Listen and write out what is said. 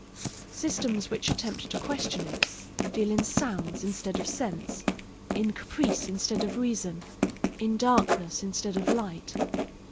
Systems which attempt to question it deal in sounds instead of sense, in caprice instead of reason, in darkness instead of light.